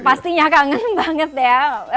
pastinya kangen banget ya